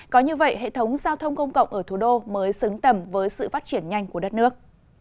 có như vậy hệ thống giao thông công cộng ở thủ đô mới xứng tầm với sự phát triển nhanh của đất nước